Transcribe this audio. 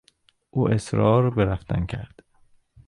او اصرار به رفتن کرد.